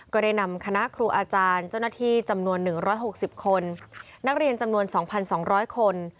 ก็ได้นำคณะครูอาจารย์เจ้าหน้าที่จำนวน๑๖๐คนนักเรียนจำนวน๒๒๐๐คน